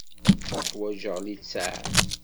Ḥwajeɣ littseɛ.